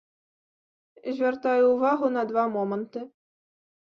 Звяртаю ўвагу на два моманты.